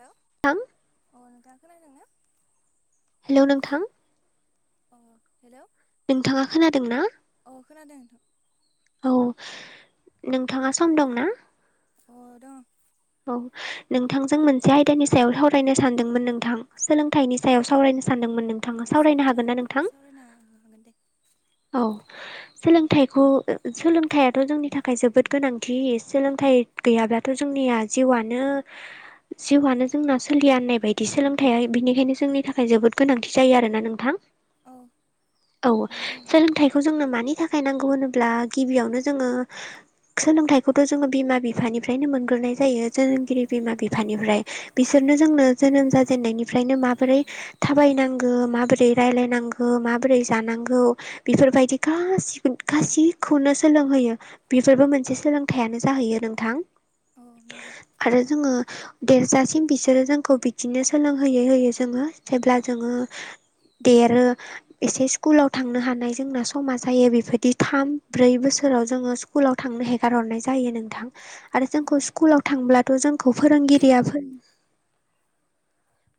औ थां। अ नोंथाङा खोनादों ना। हेल' नोंथां। अ हेल'। नोंथाङा खोनादों ना। अ खोनादों नोंथां। औ नोंथाङा सम दं ना। अ दं। औ। नोंथांजों मोनसे आयदानि सायाव सावरायनो सानदोंमोन नोंथां। सोलोंथाइनि सायाव सावरायनो सानदोंमोन नों अ' सावरायना सावरायना हागोन दे। औ सोलोंथाइखौ ओ ओ सोलोंथायाथ' जोंनि थाखाय जोबोद गोनांथि सोलोंथाइ गैयाब्लाथ' जोंनिया जिउआनो जिउआनो जोंना सोलिया होननाय बायदि सोलोंथाया बिनिखायनो जोंनि थाखाय जोबोद गोनांथि जायो आरोना नोंथां। औ औ नंगौ नोंथां थायखौ जोंनो मानि थाखाय नांगौ होनोब्ला गिबियावनो जोङो सोलोंथाइखौथ' जोङो बिमा बिफानिफ्रायनो मोनग्रोनाय जायो। जोनोमगिरि बिमा बिफानिफ्राय बिसोरनो जोंनो जोनोम जाजेननायनिफ्रायनो माबोरै थाबायनांगो माबोरै रायलायनांगो माबोरै जानांगौ बेफोरबायदि गासिगोन गासिखौनो सोलोंहोयो। बेफोरबो मोनसे सोलोंथाइयानो जाहैयो नोंथां औ नंगौ आरो जोङो देरजासिम बिसोरो जोंखौ बिदिनो सोलोंहोयै होयै जोङो जेब्ला जोङो देरो एसे स्कुलाव थांनो हानाय जोंना समा जायो बेफोरदि थाम ब्रै बोसोराव जोङो स्कुलाव थांनो हेगार हरनाय जायो नोंथां। आरो जोंखौ नंगौ स्कुलाव थांब्लाथ' जोंखौ फोरोंगिरिया फो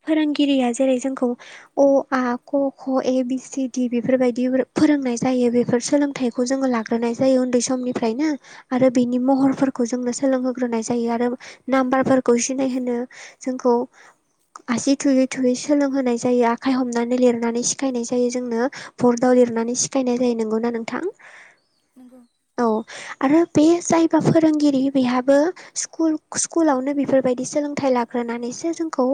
फोरोंगिरिया जेरै जोंखौ अ आ क ख ए बि सि डि बेफोरबायदि फोरोंनाय जायो। बेफोर सोलोंथाइखौ जोङो लाग्रोनाय जायो उन्दै समनिफ्रायनो आरो बेनि महरफोरखौ जोंनो सोलोंहोग्रोनाय जायो। आरो नाम्बारफोरखौ सिनायहोनो जोंखौ आसि थुयै थुयै सोलोंहोनाय जायो। आखाय हमनानै लिरनानै सिखायनाय जायो जोंनो। बरदाव लिरनानै सिखायनाय जायो नंगौ ना नोंथां? नंगौ। औ आरो बे जायबा फोरोंगिरि बेहाबो सिकुल सिकुलावनो बेफोरबायदि सोलोंथाइ लाग्रोनानैसो जोंखौ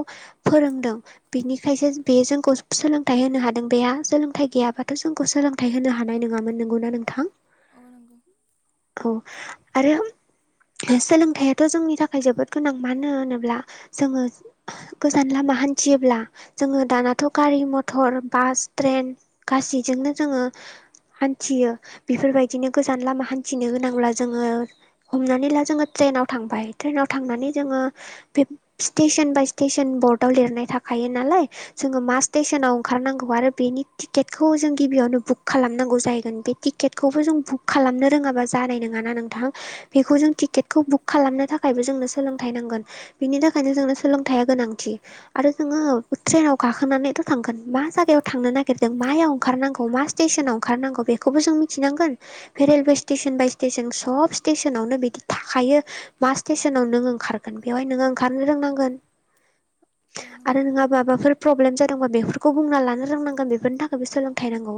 फोरोंदों बिनिखायसो बे जोंखौ सोलोंथाइ होनो हादों। बेहा सोलोंथाइ गैयाबाथ' जोंखौ सोलोंथाइ होनो हानाय नङामोन नंगौ ना नोंथां? औ नांगौ। औ आरो सोलोंथायाथ' जोंनि थाखाय जोबोद गोनां। मानो होनोब्ला जोङो गोजान लामा हान्थियोब्ला जोङो दानाथ' गारि, मथर, बास, ट्रेन गासैजोंनो जोङो हान्थियो। बेफोरबायदिनो गोजान लामा हान्थिनो गोनांब्ला जोङो हमनानै ला जोङो ट्रेनाव थांबाय ट्रेनाव थांनानै जोङो बे सिटेसन बाय स्टेशन बर्डआव लिरनाय थाखायो नालाय जोङो मा सिटेसोनाव ओंखार नांगौ आरो बेनि टिकेट खौ जों गिबियावनो बुक खालामनांगौ जाहैगोन बे टिकेटखौबो जों बुक खालामनो रोङाबा जानाय नङाना नोंथाङा। औ बेखौ जों टिकेटखौ बुक खालामनो थाखायबो जोंनो सोलोंथाइ नांगोन। बिनि थाखायनो जोंनो सोलोंथाया गोनांथि। आरो जोङो ट्रेनाव गाखोनानैथ' थांगोन। मा जायगायाव थांनो नागिरदों मायाव ओंखार नांगौ मा स्टेसनाव ओंखारनांगौ बेखौबो जों मिनथि नांगोन। बे रेलवे स्टेसन बाय स्टेसन सब स्टेसनावनो बिदि थाखायो। मा स्टेसनाव नों ओंखारगोन बेवहाय नोङो ओंखारनो रोंनांगोन। औ नंगौ आरो नोंङा माबाफोर प्रब्लेम जादोंबा बेफोरखौ बुंना लानो रोंनांगोन बेफोरनि थाखायबो सोलों थाय नांगौ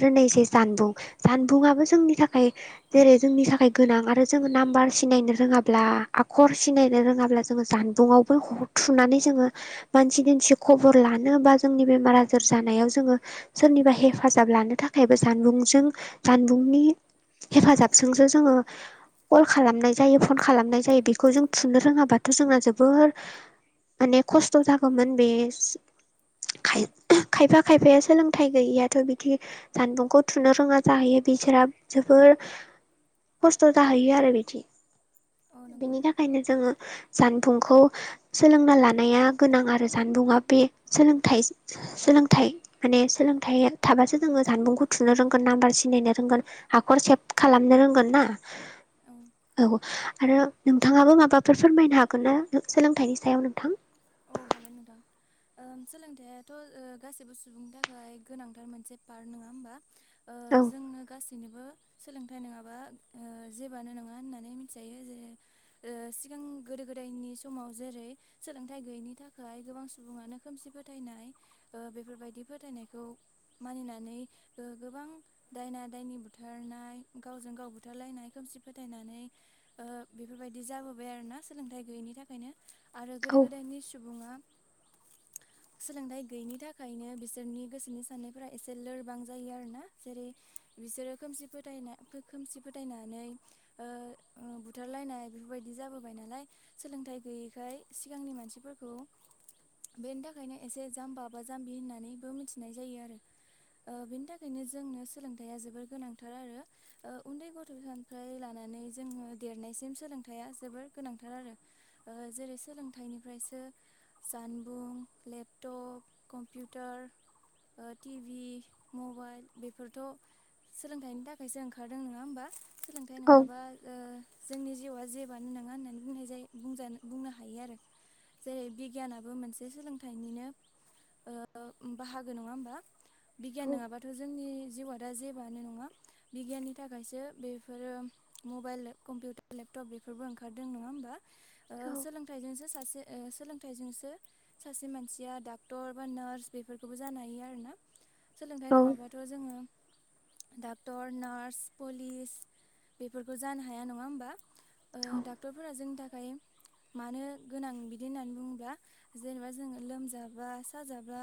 आरो नै जे जानबुं जानबुंआबो जोंनि थाखाय जेरै जोंनि थाखाय गोनां आरो जोङो नाम्बार सिनायनो रोङाब्ला आखर सिनायनो रोङाब्ला जोङो जान बुङावबो ह थुनानै जोङो मानसि दिमसि खबर लानो बा जोंनि बेमार आजार जानायाव जोङो सोरनिबा हेफाजाब लानो थाखायबो जानबुंजों जानबुंनि हेफाजाब जोंजो जोङो कल खालामनाय जायो, फन खालामनाय जायो। बेखौ जों थुनो रोङाबाथ' जोंना जोबोर माने खस्थ' जागौमोन बे खाय-खायफा खायफाया सोलोंथाइ गैयिया थ' बिदि जानबुंखौ थुनो रोङा जाहैयो बिसोरा जोबोर खस्थ' जाहैयो आरो बिदि औ नंगौ बेनि थाखायनो जोङो जानबुंखौ सोलोंना लानाया गोनां आरो जानबुंआ बे सोलोंथाइ सोलोंथाइ माने सोलोंथाइ थाबासो जोङो जानबुंखौ थुनो रोंगोन नाम्बार सिनायनो रोंगोन। हाखर सेब खालामनो रोंगोन ना? औ औ आरो नोंथाङाबो माबाफोर फोरमायनो हागोन ना? सोलोंथाइनि सायाव नोंथां। औ हागोन नोंथां। ओ सोलोंथायाथ' ओ गासैबो सुबुंनि थाखाय गोनांथार मोनसे पार्ट नङा होमबा? ओ औ जोंनो गास दिनैबो सोलोंथाइ नङाबा जेबोआनो नङा होननानै मिथिजायो जे सिगां गोदो गोदायनि समाव जेरै सोलों थाय गैयैनि थाखाय गोबां सुबुङानो खोमसि फोथायनाय बेफोरबायदि फोथायनायखौ मानिनानै गोबां दायना दायनि बुथारनाय गावजों गाव बुथारलायनाय खोमसि फोथायनानै अ बेफोरबायदि गोदो औ गोदायनि सुबुङा [inaudible] सोलोंथाइ गैयिनि थाखायनो बिसोरनि गोसोनि साननायफोरा एसे लोरबां जायो आरोना। जेरै बिसोरो खोमसि फ खोमसि फोदायनानै बुथारलायनाय बेफोरबायदि जाबोबाय नालाय सोलोंथाइ गैयैखाय सिगांनि मानसिफोरखौ बेनि थाखायनो एसे जाम्बा बा जाम्बि होननानैबो मिथिनाय जायो आरो। बेनि थाखायनो जोंनो सोलोंथाइया जोबोर गोनांथार आरो। उन्दै गथ'फ्राय लानानै जोङो देरनायसिम सोलोंथाइा जोबोर गोनांथार आरो। ओ जेरै सोलोंथाइनिफ्रायसो जानबुं लेपटप कम्पिउटार टिभि मबाइल बेफोरथ' सोलोंथाइनि थाखायसो ओंखारदों नङा होमबा? सोलोंथाइ औ नङाबा जोंनि जिउआ जेबोआानो नङा होननानै बुंनाय जायोज बुंनो ह हायो आरो जेरै बिगियानाबो मोनसे सोलोंथाइनिनो बाहागो नङा होमबा? बिगियान नङाबाथ' जोंनि जिउआ दा जेबानो नङा बिगियाननि थाखायसो बेफोरो मबाइल कम्पिउटार लेपटप बेफोरबो ओंखारदों नङा होमबा? सोलोंथाइजोंसो सासे सोलोंथाइजोंसो सासे मानसिया डाक्टर बा नार्स बेफोरखौबो जानो हायो आर ना? सोलोंथाइ औ नङाबाथ' जोङो डाक्टर नार्स पुलिस बेफोरखौ जानो हाया, नङा होमबा? डाक्टरफोरा जोंनि थाखाय मानो गोनां? बिदि होननानै बुङोब्ला जेनेबा जोङो लोमजाबा साजाब्ला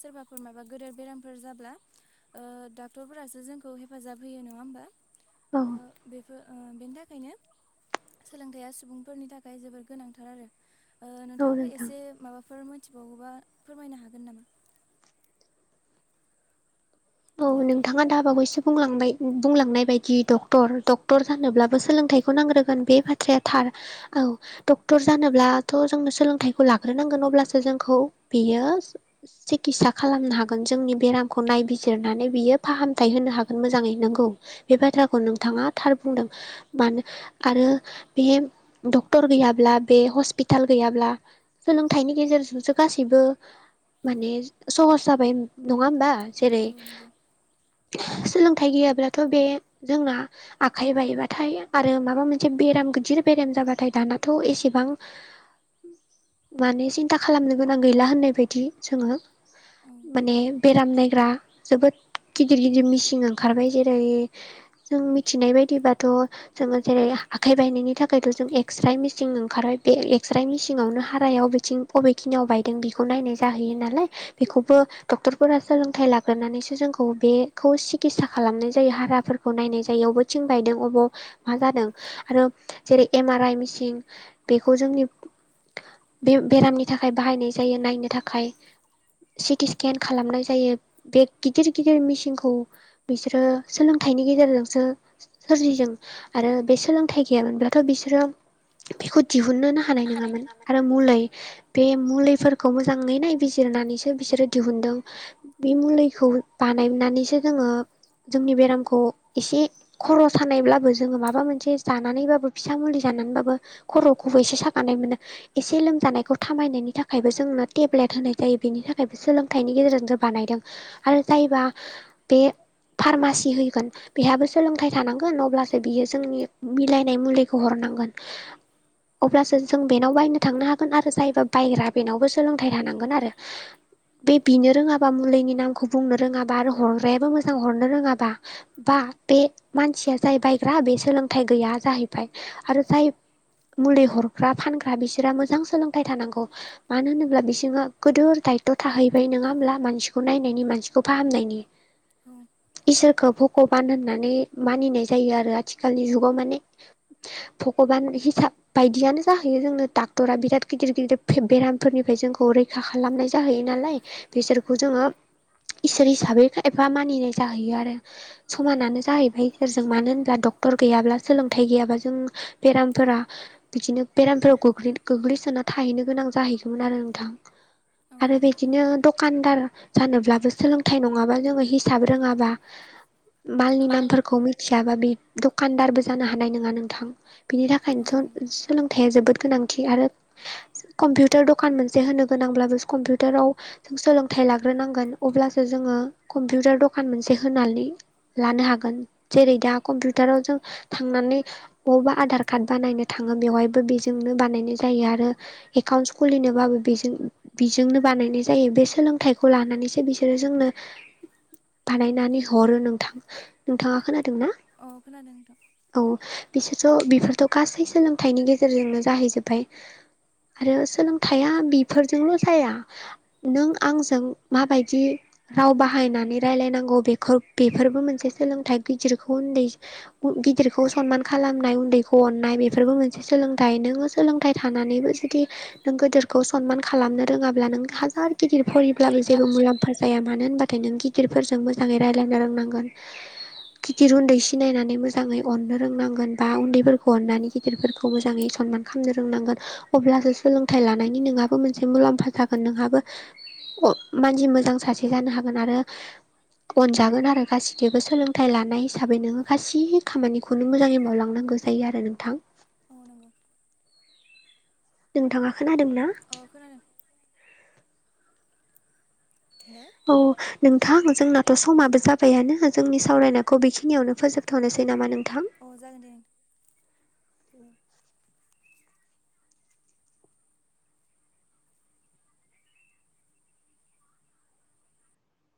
सोरबाफोर माबा गदेर बेरामफोर जाब्ला डाक्टरफोरासो जोंखौ हेफाजाब होयो नङा होमबा? औ बेफोर बेनि थाखायनो सोलोंथाइया सुबुंफोरनि थाखायल जोबोर गोनांथार आरो, औ नोंथाङाबो नोंथां एसे माबाफोर मोनथिबावोबा फोरमायनो हागोन नामा? औ हेलौ नोंथाङा दा बावैसो बुंलांबाय बुंलांनाय बायदि डक्टर औ डक्टर जानोब्लाथ' बियो सिकितसा खालाम बिजिरनानै बियो फाहामथाय होनो हागोन मोजाङै नोंगौ, बे बाथ्राखौ नोंथाङा थार बुंदों। मानो आरो बे डक्टर गैयाब्ला बे हस्पिटाल गैयाब्ला सोलोंथाइनि गेजेरजोंसो गासैबो माने सहस जाबाय, नङा होमबा? जेरै औ नंगौ सोलोंथाइ गैयाब्लाथ' बे जोंना आखाइ बायबाथाय आरो माबा मोनसे बेराम गिदिर बेराम जाबाथाय दानाथ' एसेबां माने सिन्था खालामनो गोनां गैला होननाय बायदि दि जोङो औ माने बेराम नायग्रा जोबोद गिदिर गिदिर मिसिं आव ओंखारबाय बेायथ' जों एक्सरे मेसिन ओंखारबाय बे एक्सरे मेसिनावनो हारायाव बेखौबो डक्टरफोरा सोलोंथाइ ला हगारनानैसो जोंखौ बेखौ सिकित्सा खालाम मा जादों आरो जेरै एम आर आइ मिसिन बेखौ जोंनि बे बेरामनि थाखाय बाहायनाय जायो नायनो थाखाय सिटि स्केन खालामनाय जायो बे गिदिर गिदिर मिसिनखौ बिसोरो सोलोंथाइनि गेजेरजोंसो सोरजिजों आरो बे सोलोंथाइ गैयामोनब्लाथ' बिसोरो बेखौ दिहुननो हानाय नङामोन आरो मुलै बे मुलिफोरखौ मोजाङै नायबिजिरनानैसो बिसोरो दिहुनदों। बे मुलिखौ बानायनानैसो जोङो जोंनि बेरामखौ एसे खर‌' सानायब्लाबो जोङो माबा मोनसे जानानैबाबो फिसा मुलि जानानैबाबो खर'खौबो एसे सागानाय मोनो। एसे लोमजानायखौ थामायनायनि थाखायबो जोंनो टेब्लेट होनाय जायो बेनि थाखायबो सोलोंथाइनि गेजेरजोंसो बानायदों आरो जायबा बे फार्मासि होगोन बेहाबो सोलोंथाइ थानांगोन अब्लासो बियो जोंनि मिलायनाय मुलिखौ हरनांगोन। [inaudible] अब्लासो जों बेनाव बायनो थांनो हागोन आरो जायबा बायग्रा बेनावबो सोलोंथाइ थानांगोन आरो बे बिनो रोङाबा मुलिनि नामखौ बुंनो रोङाबा आरो हरग्रायाबो मोजां हरनो रोङाबा बा बे मानसिया जाय बायग्रा बे सोलोंथाइ गैया जाहैबाय आरो जाय मुलि हरग्रा फानग्रा बिसोरा मोजां सोलोंथाइ थानांगौ। मानो होनोब्ला बिसोरनाव गोदोर दायथ‌' थाहैबाय। नङा होमब्ला? मानसिखौ नायनायनि मानसिखौ फाहामनायनि। औ इसोरखौ भगबान होननानै मानिनाय जायो आरो आथिखालनि जुगाव माने भगबान हिसाब बायदियानो जाहैयो जोंनो डाक्टरा बिराद गिदिर गिदिर बेरामफोरनिफ्राय जोंखौ रैखा खालामनाय जाहैयो नालाय। बिसोरखौ जोङो इसोर हिसाबै एफा मानिनाय जाहैयो आरो। समानानो जाहैबाय इसोरजों मानो होनब्ला डक्टर गैयाब्ला सोलोंथाइ गैयाबा जों बेेरामफोरा बिदिनो बेरामफोराव गोग्लै-गोग्लैसोना थाहैनो गोनां जाहैगौमोन आरो नोंथां। औ आरो नंगौ बिदिनो द खान्दार जानोब्लाबो सोलोंथाइ नङाबा जोङो हिसाब रोङाबा मालनि बालनि नामफोरखौ मिथियाबा बे दखानदारबो जानो हानाय नङा नोंथां। बिनि औ नंगौ थाखायनोथ' सोलोंथाइआ जोबोद गोनांथि आरो कम्पिउटार दखान मोनसे होनो गोनांब्लाबो कम्पिउटाराव जों सोलोंथाइ लाग्रोनांगोन अब्लासो जोङो कम्पिउटार द'खान मोनसे होनानै लानो हागोन। जेरै-दा कम्पिउटाराव जों थांनानै बबावबा आधार कार्ड बानायनो थाङो बेवहायबो बेजोंनो बानायनाय जायो आरो एकाउन्टस खुलिनोबाबो बेजों-बेजोंनो बानायनाय जायो। बे सोलोंथाइखौ लानानैसो बिसोरो जोंनो बानायनानै हरो नोंथां नोंथाङा खोनादों ना? अ खोनादों नोंथां। औ बिसोरथ बेफोरथ गासै सोलोंथाइनि गेजेरजोंनो जाहैजोब्बाय। आरो सोलोंथाइया बिफोरजोंल जाया। नों आंजों माबायदि राव बाहायनानै रायलायनांगौ बेखौ बेफोरबो मोनसे सोलोंथाइ गिदिरखौ उन्दै गिदिरखौ सनमान खालामनाय उन्दैखौ अननाय बेफोरबो मोनसे सोलोंथायाइ नों सोलोंथाइ थानानैबो जुदि नों गोदोरखौ सनमान खालामनो रोङाब्ला नों हाजार गिदिर फरिब्लाबो जेबो मुलाम्फा जाया मानो होनबाथाय नों गिदिरफोरजों मोजाङै रायजलायनो रोंनांगोन। गिदिर उन्दै सिनायनानै मोजाङै अननो रोंनांगोन बा उन्दैफोरखौ अननानै गिदिरफोरखौ मोजाङै सनमान खालामनो रोंनांगोन। अब्लासो सोलोंथाइ लानायनि नोंहाबो मोनसे मुलाम्फा जागोन नोंहाबो मानसि मोजां सासे जानो हागोन आरो अनजागोन आरो गाैजोंबो सोलोंथाइ लानाय हिसाबै नोङो गासै खामानिखौ हमनो मोजाङै मावलांनांगौ जायो आरो नोंथां। औ नोंगौ। नोंथाङा खोनादोंना? अ खोनादों। हेल' औ नोंथां जोंनाथ' समाबो जाबायानो जोंनि सावरायनायखौ बेखिनियावनो फोजोबथ'नोसै नामा नोंथां? अ जागोन दे।